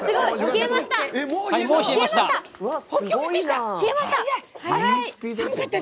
冷えました！